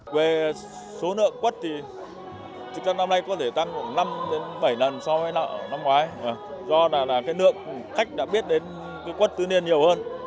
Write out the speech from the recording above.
về số nượng quất thì thực ra năm nay có thể tăng năm bảy lần so với năm ngoái do là nượng khách đã biết đến cây quất tứ liên nhiều hơn